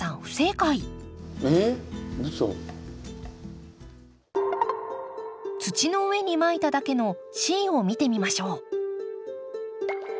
不正解土の上にまいただけのＣを見てみましょう。